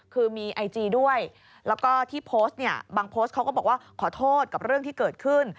คือมีไอจีด้วยแล้วก็ที่โพสต์เนี่ยบางโพสต์เขาก็บอกว่าขอโทษกับเรื่องที่เกิดขึ้น